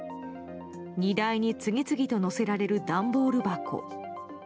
荷台に次々と載せられる段ボール箱。